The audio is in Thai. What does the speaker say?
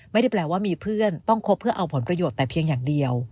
ไม่ได้แปลว่ามีเพื่อนต้องคบเพื่อเอาผลประโยชน์แต่เพียงอย่างเดียว